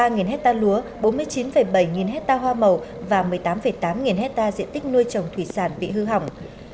hai trăm linh ba nghìn hecta lúa bốn mươi chín bảy nghìn hecta hoa màu và một mươi tám tám nghìn hecta diện tích nuôi trồng thủy sản bị hư hỏng